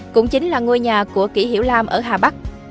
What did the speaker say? cũng chính là ngôi nhà của kỷ hiểu lam ở hà bắc